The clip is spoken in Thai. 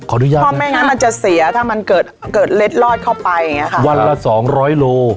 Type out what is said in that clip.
อนุญาตเพราะไม่งั้นมันจะเสียถ้ามันเกิดเกิดเล็ดลอดเข้าไปอย่างเงี้ค่ะวันละสองร้อยโล